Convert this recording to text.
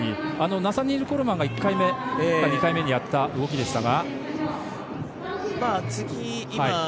ナサニエル・コールマンが１回目にやった動きですが。